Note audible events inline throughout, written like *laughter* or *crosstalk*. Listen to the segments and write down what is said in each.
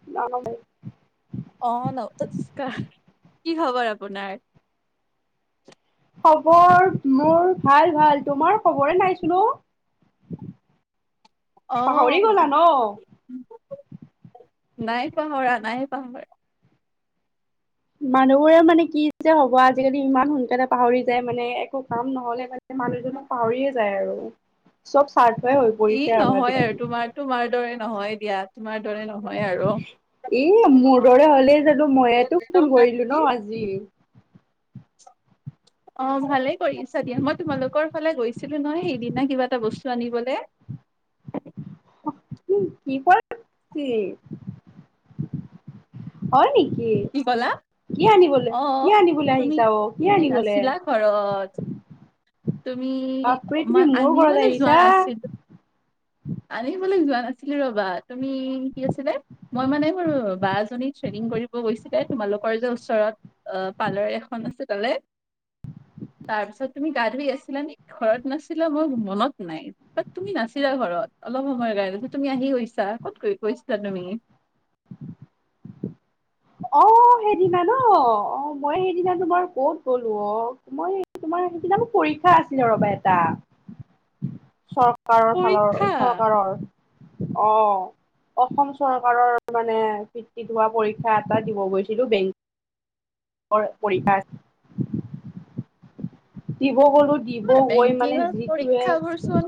*unintelligible* অ নমস্কাৰ কি খবৰ আপোনাৰ খবৰ মোৰ ভাল ভাল তোমাৰ খবৰে নাই চোন অ *unintelligible* অ পাহৰি গলা ন নাই পাহৰা নাই পাহৰা মানুহবোৰে মানে কি যে হ'ব আজিকালি ইমান সোনকালে পাহৰি যায় মানে একো কাম নহলে মানে মানুহজনক পাহৰিয়ে যায় আৰু চব স্বাৰ্থ হৈ ই পৰিছে আৰু নহয় আজিকালি তোমাৰ তোমাৰ দৰে নহয় দিয়া তোমাৰ দৰে নহয় আৰু এ মোৰ দৰে হ'লেই জানো মইয়ে তোক ফোন কৰিলো ন আজি অ ভালে কৰিছা দিয়া মই তোমালোকৰ ফালে গৈছিলো নহয় সেইদিনা কিবা এটা বস্তু আনিবলে কি হ'ল কি হয় নেকি কি ক'লা কি আনিবলে অ কি আনিবলে তুমি আহিছা অ কি আনিবলে নাছিলা ঘৰত তুমি বাপৰে তুমি মই মোৰ ঘৰত আনিবলে যোৱা আহিছা নাছিলো আনিবলে যোৱা নাছিলো ৰবা তুমি কি আছিলে মই মানে মোৰ বা এজনী থ্ৰেডিং কৰিব গৈছিলে তোমালোকৰ যে ওচৰত অ পাৰ্লাৰ এখন আছে তালে তাৰপিছত তুমি গা ধুই আছিলা নেকি ঘৰত নাছিলা মই মনত নাই বাত তুমি নাছিলা ঘৰত অলপ সময়ৰ কাৰণে তুমি আহি গৈছা ক'ত ক কৰিছিলা তুমি অ সেইদিনা ন অ মই সেইদিনা তোমাৰ কত গ'লো অ মই তোমাৰ সেইদিনা মোৰ পৰীক্ষা আছিলে ৰ'বা এটা চৰকাৰ ফালৰ পৰীক্ষা চৰকাৰৰ অ অসম চৰকাৰৰ মানে ভিত্তিত হোৱা পৰীক্ষা পৰীক্ষা এটা দিব গৈছিলো বেংক কৰ পৰীক্ষা দিব গলো দিব তোমাৰ গৈ মানে বেংকিঙৰ যিটোৱে পৰীক্ষাবোৰ চোন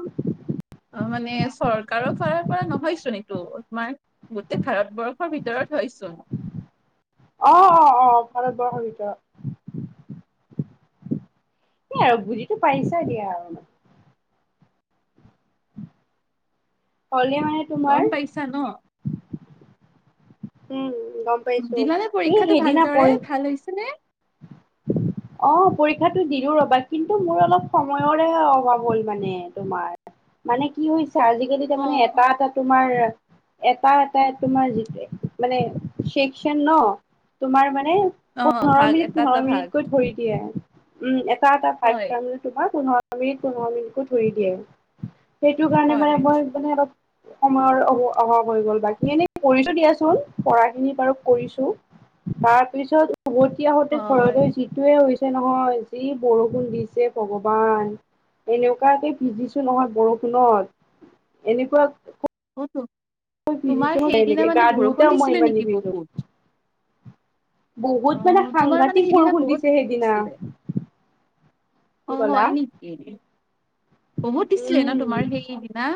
অ মানে চৰকাৰৰ ফালৰ পৰা নহয়চোন এইটো তোমাৰ গোটেই ভাৰতবৰ্ষৰ ভিতৰত হয়চোন। অৱ অৱ অৱ ভাৰতবৰ্ষৰ ভিতৰত। হে আৰু বুজিটো পাইছাই দিয়া আৰু। *unintelligible* হ'লেও মানে তোমাৰ গম পাইছা ন। উম গম পাইছো দিলানে এই পৰীক্ষাটো সেইদিনা ভালদৰে পৰিম ভাল হৈছে নে। অ পৰীক্ষাটো দিলো ৰবা কিন্তু মোৰ অলপ সময়ৰে অভাৱ হ'ল মানে তোমাৰ। মানে কি হৈছে আজিকালি অ তাৰমানে এটা এটা তোমাৰ এটা এটাই তোমাৰ যিটো মানে শেষকন ন তোমাৰ মানে অ ভাগ এটা এটা ভাগ। কৰি দিয়ে, উম এটা এটা ভাগ হয় যদি তোমাৰ পোন্ধৰ মিনিট পোন্ধৰ মিনিটকো ধৰি দিয়ে সেইটো কাৰণে হয় মানে মই মানে অলপ সময়ৰ অ অভাৱ হৈ গ'ল বাকী এনে কৰিছো দিয়াচোন পঢ়াখিনিত বাৰু কৰিছোঁ। তাৰপিছত উভতি আহোতে ঘৰলৈ হয়। যিট যিটোৱে হৈছে নহয়, যি বৰষুণ দিছে ভগৱান। এনেকুৱাকে ভিজিছো নহয় বৰষুণত, এনেকুৱা অৱ তু, তোমাৰ এনেকে সেইদিনা গা মানে ধুওতেও বৰষুণ মই দিছিলে ইমান নেকি নিভিজো বহুত? অ বহুত মানে তোমাৰ মানে সাংঘাতিক সেইদিনা বৰষুণ বহুত দিছে সেইদিনা। দিছিলে কি অ কলা হয় নেকি, বহুত দিছিলে ন উম তোমাৰ সেইদিনা?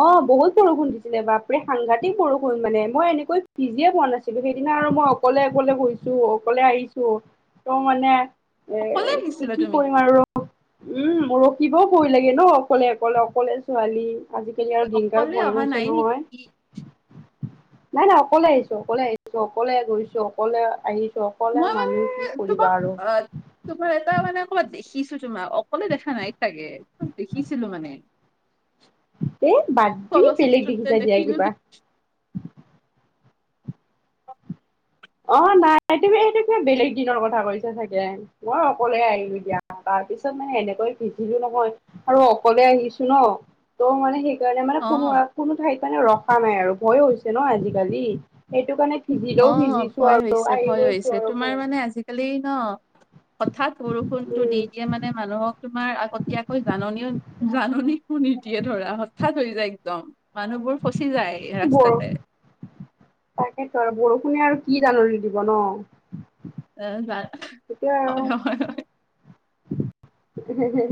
অৱ বহুত বৰষুণ দিছিলে বাপৰে সাংঘাতিক বৰষুণ মানে মই এনেকৈ ভিজিয়ে পোৱা নাছিলো। সেইদিনা আৰু মই অকলে গৈছো অকলে আহিছো ত মানে এ অকলে কি আহিছিলা কি তুমি কৰিম আৰু উম ম ৰখিবও ভয় লাগে ন অকলে অকলে অকলে ছোৱালী আজিকালি আৰু দিন কাল অকলে ভয় অহা হৈছে নাই নহয়। নেকি নাই নাই অকলে আহিছো অকলে আহিছো অকলে গৈছো অকলে আহিছো। অকলে মই মানে নাহি কি কৰিবা তোমাক আৰু। অ তোমাৰ এটা মানে অ ক'ৰবাত দেখিছো তোমাক। অকলে দেখা নাই ছাগে দেখিছিলো মানে। এ বাদ তুমি বেলেগ চলচিত্ৰতে দেখিছা দিয়া দেখিলিলো কিবা *unintelligible* অ নাই তুমি এইটো কিবা বেলেগ দিনৰ কথা কৈছা চাগে। মই অকলে আহিলো দিয়া তাৰ পিছত মানে এনেকৈ পিন্ধিলো নহয়। আৰু অকলে আনিছো ন ত' মানে সেই সেইটো কাৰণে মানে অ কোনো কোনো ঠাইত মানে ৰখা নাই আৰু ভয় হৈছে ন আজিকালি। সেইটো কাৰণে অ ভিজিলেও ভিজিছো ভয় আৰু হৈছে আহি ভয় গৈছো হৈছে আৰু তোমাৰ ঘৰ মানে আজিকালি ন হঠাৎ বৰষুণতটো দি উম দিয়ে মানে মানুহক তোমাৰ আগতীয়াকৈ জাননী জাননী কো নিদিয়ে ধৰা হঠাৎ হৈ যায় একদম। মানুহবোৰ ফচি যায় বৰ ৰাস্তাতে। তাকেতো আৰু বৰষুণে আৰু কি জাননি দিব ন এ জাই এতিয়া হয় হয় হয় হে হে হে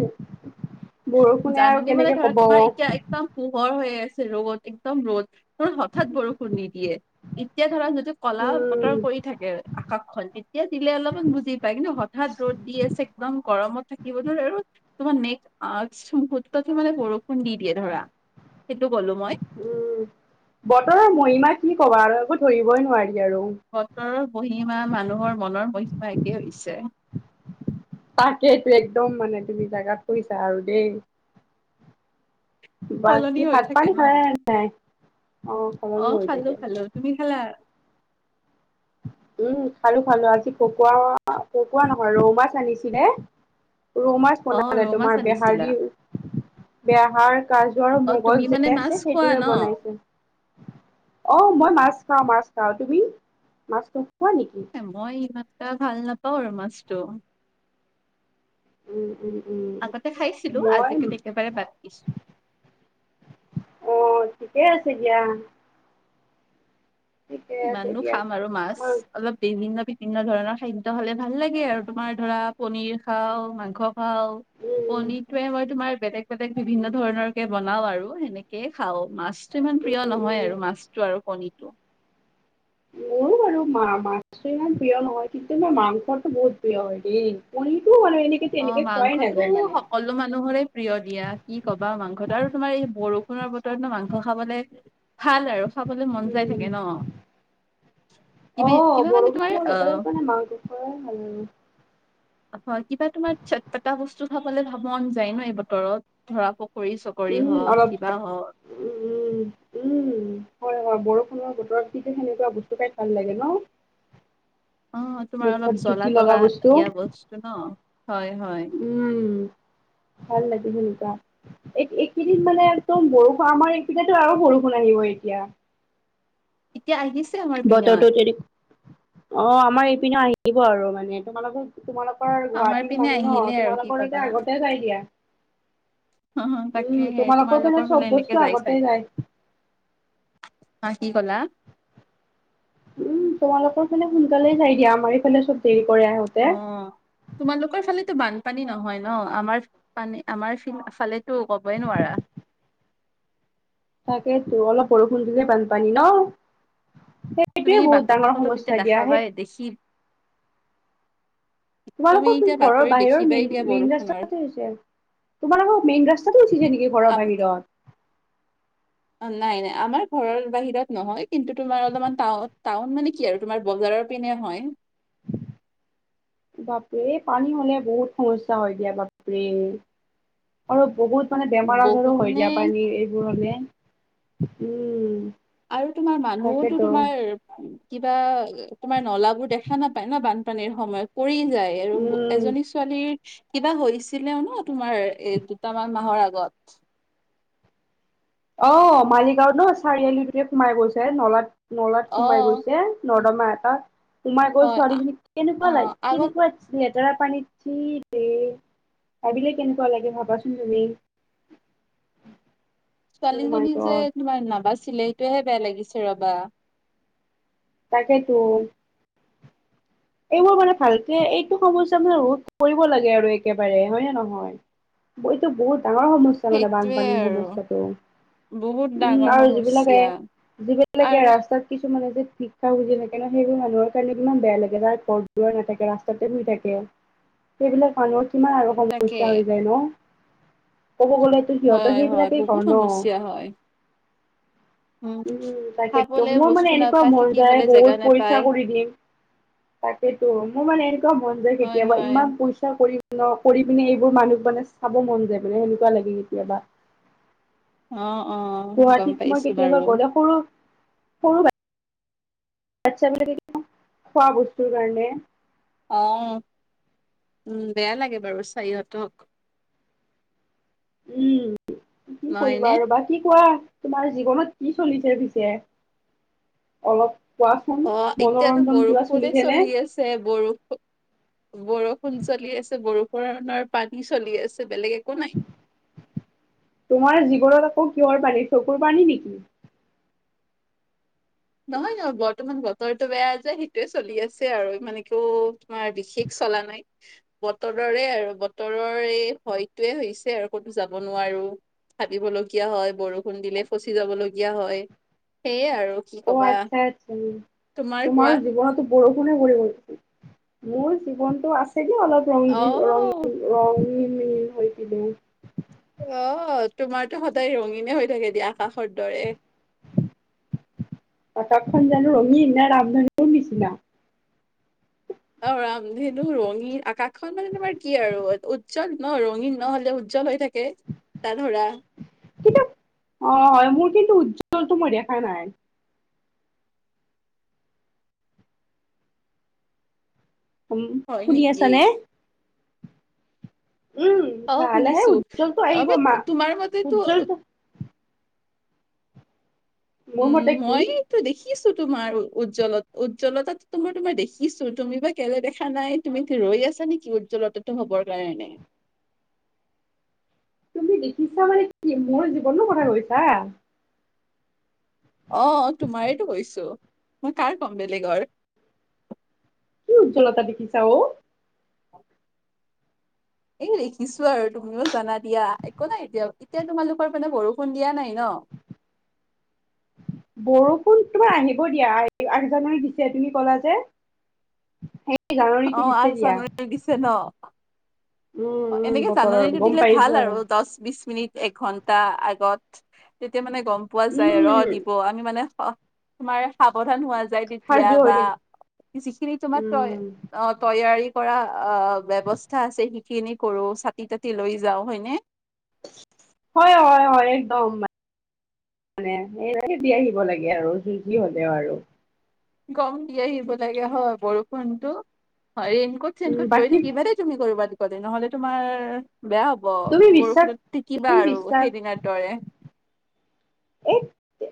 হয়। বৰষুণে আৰু জাননী মানে কেনেকে ধৰা কব তোমাৰ ক এতিয়া একদম পোহৰ হৈ আছে ৰ'দ একদম ৰ'দ তোৰ হঠাৎ বৰষুণ নিদিয়ে এতিয়া ধৰা যদি যে কলা উম বতৰ কৰি থাকে আকাশখন তেতিয়া দিলে অলপমান বুজি পায় কিন্তু হ- ঠাত ৰ'দ দি আছে একদম গৰমত থাকিব ধৰ আৰু তোমাৰ নেক- আ কিছু মুহূৰ্ততে মানে বৰষুণ দি দিয়ে ধৰা সেইটো কলো মই। উম বতৰৰ মহিমা কি কবা আৰু একো ধৰিবই নোৱাৰি আৰু। বতৰৰ মহিমা মানুহৰ মনৰ মহিমা একেই হৈছে। তাকেইটো একদম মানে তুমি জাগাত পৰিছা আৰু দেই। সলনি বাকী হৈ ভাত থাকে পানী ন খালে নে নাই? অ সলনি হৈ খালো থাকে। খালো। তুমি খালা? উম খালো খালো আজি পকোৱা পকোৱা নহয় ৰৌ মাছ আনিছিলে। ৰৌ মাছ অ বনালে ৰৌ মাছ তোমাৰ বেহাৰ আনিছিলা দিওঁ বেহাৰ, কাজু আৰু অ তুমি মগজ যে মানে মাছ আছে খোৱা সেইটোৰে ন বনাইছো। অ মই মাছ খাওঁ মাছ খাওঁ তুমি মাছটো খোৱা নেকি মই ইমানটা ভাল নাপাওঁ আৰু মাছটো। উম উম উম আগতে খাইছিলো মই আজিকালি একেবাৰে বাদ দিছো অ ঠিকে আছে দিয়া। ঠিকে আছে কিমাননো দিয়া। খাম আৰু মাছ মই অলপ *unintelligible* বিভিন্ন ধৰণৰ খাদ্য খালে ভাল লাগে আৰু তোমাৰ ধৰা পনীৰ খাওঁ, মাংস খাওঁ উম, পনীৰটোয়ে মই তোমাৰ বেলেগ বেলেগ বিভিন্ন ধৰণৰ কে বনাও আৰু সেনেকে খাও মাছটো ইমান উম, প্ৰিয় নহয় উম। আৰু মাছ টো আৰু পনীটো মোৰ বাৰ- ৰু মা মাছটো ইমান প্ৰিয় নহয় কিন্তু মাৰ মাংসটো বহুত প্ৰিয় হয় দেই পনীৰটো মানে এনেকে অ তেনেকে খোৱাই মাংসটো নাযায় মানে সকলো মানুহৰে প্ৰিয় দিয়া কি কবা মাংসটো আৰু তোমাৰ এই বৰষুণৰ বতৰত ন মাংস খাবলে ভাল আৰু খাবলে মন যাই উম থাকে ন কিবি কিবা মানে তোমাৰ অ হয় ভাল হয় কিবা তোমাৰ চট পটা বস্তু খাবলে ভাব মন যায় ন এই বতৰত ধৰা প- কৰি চকৰি হওক, অলপ কিবা হওক উম উম উম উম হয় হয় বৰষুণৰ বতৰত কিন্তু সেনেকুৱা বস্তু খাই ভাল লাগে ন। অ তোমাৰ মুখত অলপ জ্বলা জুতি লগা তলা বস্তু দিয়া বস্তু ন হয় হয়। উম ভাল লাগে সেনেকুৱা। এই এইকেইদিন মানে একদম বৰষুণ আমাৰ এইপিনেটো আৰু বৰষুণ আহিব এতিয়া। এতিয়া আহিছে আমাৰ পিনে বতৰটোত এৰিপ অ আমাৰ এইপিনেও আহিব আৰু মানে তোমাৰোকৰ তোমালোকৰ আমাৰ গুৱাহাটীৰ পিনে মানুহ ন আহিলে আৰু কি তোমালোকৰ এতিয়া আগতেহ যাই দিয়া। হ হ উম, তাকেহে তোমালোকৰ চব ফালে বস্তু এনেকে যাই আগতে চাগে। যায়। হা কি ক'লা? উম তোমালোকৰ ফালে সোনকালে যাই দিয়া আমাৰ এইফালে চব দেৰি কৰে আহোঁতে অ তোমালোকৰ ফালেতো বানপানী নহয় ন আমাৰ পানী আমাৰ ফিন ফালেতো কবই নোৱাৰা। তাকেইতো অলপ বৰষুণ দিলে বানপানী ন। তুমি সেইটোৱে বহুত বাতৰি ডাঙৰ কাকতত এতিয়া সমস্যা দিয়া দেখাবাই দেখি তুমি তোমালোকৰ এতিয়া ঘৰৰ বাতৰি বাহিৰৰ দেখিবাই মেইন দিয়া মেইন বৰষুণৰ ৰাস্তাতে হৈছে। তোমাৰোকৰ মেইন ৰাস্তাটো উঠিছে নেকি ঘৰৰ বাহিৰত। অ নাই নাই আমাৰ ঘৰৰ বাহিৰত নহয় কিন্তু তোমাৰ অলপমান টাউন টাউন মানে কি আৰু তোমাৰ বজাৰত পিনে হয়। বাপৰে এই পানী হ'লে বহুত সমস্যা হয় দিয়া বাপৰে। আৰু বহুত মানে বেমাৰ আজাৰো বহুত হয় নে দিয়া পানী এই হলে উম। আৰু তোমাৰ মানুহোতো তাকেতো তোমাৰ কিবা তোমাৰ নলাবোৰ দেখা নাপায় ন বানপানীৰ সময়ত পৰি যায় আৰু উম এজনী ছোৱালীৰ কিবা হৈছিলেও ন তোমাৰ এ দুটামান মাহৰ আগত। অ মালিগাঁওত ন চাৰিআলিটোৱে সোমাই গৈছে নলাত নলাত সোমাই অ', গৈছে নৰ্দমা এটাত সোমাই গৈ হয় আ- ছোৱালীজনী কেনেকুৱা লাগ অ', আগত কেনেকুৱা লেটেৰা পানীত চি বে ভাবিলে কেনেকুৱা লাগে ভাবাচোন তুমি। অ' মাই ছোৱালীজনী যে গড তোমাৰ নাবাছিলিলে সেইটোহে বেয়া লাগিছে ৰবা। তাকেটো। এইবোৰ মানে ভালকে এইটো সমস্যা মানে ৰোধ কৰিব লাগে আৰু একেবাৰে হয় নে নহয়। এইটো বহুত ডাঙৰ সমস্যা মানে সেইটোৱে বানপানীৰ আৰু সমস্যাটো। বহুত উম ডাঙৰ আৰু যিবিলাকে সমস্যা যিবিলাকে আৰু ৰাস্তাত কিছুমানে যে ভিক্ষা খুজি থাকে যে সেইবোৰ মানুহৰ কাৰণে কিমান বেয়া লাগে বা ঘৰ দুৱাৰ নাথাকে ৰাস্তাতে শুই থাকে সেইবিলাক মানুহৰ কিমান আৰু উম, তাকে সমস্যা হৈ যায় ন ক'ব গলে সিহঁতৰ হয়, হয় সেইবিলাকেই বহুত ঘৰ ন। সমস্যা হয়। উম তাকেতো খাবলে মোৰ বস্তু মানে এনেকুৱা নাপায় মন যায় থাকিবলে জেগা বহুত নাপায়। পৰিচা কৰি দিম তাকেতো মোৰ মানে এনেকুৱা মন যোয় হয়, কেতিয়াবা হয়। ইমান পইচা কৰি ন কৰি পিনে এইবোৰ মানুহক মানে চাব মন যায় মানে সেনেকুৱা লাগে কেতিয়াবা। অ অ। গম গুৱাহাটীত মই পাইছো বাৰু কেতিয়াবা গ'লে সৰু সৰু বা বাচ্ছা বিলাকে খোৱা বস্তুৰ কাৰণে অ উম বেয়া লাগে বাৰু চাই সিহঁতক। উম কি নহয়নে? কৰিবা আৰু বাকি কোৱা তোমাৰ জীৱনত কি চলিছে পিছে অলপ কোৱাচোন মনোৰঞ্জন কিবা চলিছেনে? বৰষূণ বৰষুণ চলি আছে বৰষুণৰ পানী চলি আছে বেলেগ একো নাই। তোমাৰ জীৱনত আকৌ কিহৰ পানী চকুৰ পানী নেকি? নহয় নহয় বৰ্তমান বতৰটো বেয়া যায় সেইটোৱে চলি আছে আৰু মানে একো তোমাৰ বিশেষ চলা নাই। বতৰৰে আৰু বতৰৰ এই ভয়তোৱে হৈছে আৰু কতো যাব নোৱাৰো। ভাবিব লগীয়া হয় বৰষুণ দিলে ফচি যাব লগীয়া হয় সেয়ে আৰু অ কবা আচ্ছা আচ্ছা তোমাৰ কোৱা তোমাৰো জীৱনতো বৰষুণে ভৰি গৈছে মোৰ জীৱনতটো আছেগে অলপ অ ৰংগিন ৰং ৰং হৈছে বহুত। অ তোমাৰতো সদায় ৰঙিনে হৈ থাকে দিয়া আকাশৰ দৰে। আকাখন জানো ৰঙীন না ৰামধেনুৰ নিচিনা। অ', ৰামধনু ৰঙীন আকাশখন মানে তোমাৰ কি আৰু উজ্জ্বল ন ৰঙীন নহ'লে উ উজ্জ্বল হৈ থাকে তাত ধৰা কিন্তু অ', হয় মোৰ কিন্তু উজ্জ্বলটো মই দেখা নাই। উ হয় শুনি আছ নেকি নে? উম অ', লাহে লাহে শুনিছোঁ উজ্জ্বলটো অ', আহিব মা ম তোমাৰ মতেতো উজ্জ্বলটো মোৰ উম মতে কি মই দেখিছোঁ তোমাৰ উজ্জ্বলত উজ্জ্বলতা তোমাৰ তোমাৰ দেখিছোঁ তুমি বা কেলে দেখা নাই। তুমি ৰৈ আছা নেকি উজ্জ্বলতাটো হ'বৰ কাৰণে। তুমি দেখিছা মানে কি মোৰ জীৱনো কথা কৈছা। অ', তোমাৰেতো কৈছোঁ মই কাৰ কম বেলেগৰ। কি উজ্জ্বলতা দেখিছা অ'। এই লিখিছোঁ আৰু তুমিও জানা দিয়া একো নাই এতিয়া এতিয়া তোমালোকৰ মানে বৰষুণ দিয়া নাই ন। বৰষুণ তোমাৰ আহিব দিয়া আগজাননী দিছে তুমি ক'লা যে। সেই অ জাননীটো দিছে আঠ দিয়া। জানুৱাৰী দিছে ন অ', উম উম এনেকে বতৰৰ জাননীটো গম দিলে ভাল পাইছো আৰু দহ বিশ মিনিট এঘন্টা আগত তেতিয়া মানে গ'ম পোৱা যায় আৰু উম দিব আমি মানে তোমাৰ সাৱধান হোৱা যায় তেতিয়া সাজু হৈ বা থাক যিখিনি তোমাৰ তয় উম অ', তৈয়াৰী কৰা অ ব্যৱস্থা আছে সেইখিনি কৰো চাতি তাতি লৈ যাও হয়নে। হয়, হয়, হয় একদম মানে সে দি আহিব লাগে আৰু যুঁজি হ'লেও আৰু গ'ম দি আহিব লাগে হয় বৰষুণতটো হয় ৰেইনকোট উম চেইনকোট লৈ বাকী থাকিবা দেই তুমি কৰিবা দহদিন নহ'লে তোমাৰ বেয়া হ'ব তুমি বিশ্বাস বৰষুণত টিকিবা তুমি আৰু বিশ্বাস সেইদিনত দৰে। এক